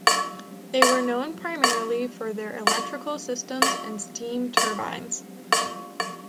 They were known primarily for their electrical systems and steam turbines.